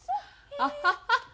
「アハハハハ」